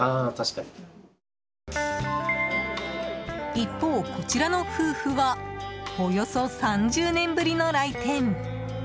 一方、こちらの夫婦はおよそ３０年ぶりの来店。